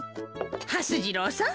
はす次郎さん